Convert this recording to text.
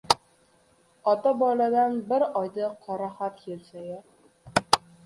Ota-boladan bir oyda «qoraxat» kelsa-ya!